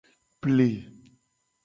Ple.